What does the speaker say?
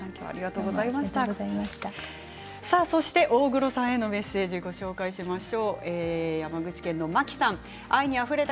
大黒さんへのメッセージをご紹介します。